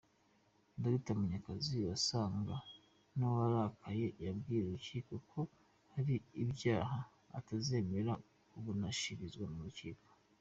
Dr Munyakazi wasanga n’ uwarakaye yabwiye urukiko ko hari ibyaha atazemera kubunashirizwa mu rukiko .